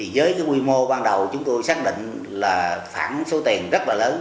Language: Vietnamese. với quy mô ban đầu chúng tôi xác định là phản số tiền rất là lớn